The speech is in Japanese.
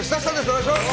お願いします。